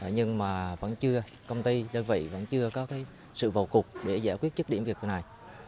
nhưng mà vẫn chưa công ty đơn vị vẫn chưa có sự vào cuộc để giải quyết chức điểm việc này